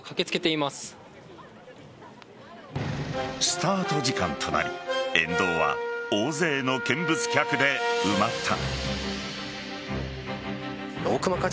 スタート時間となり沿道は大勢の見物客で埋まった。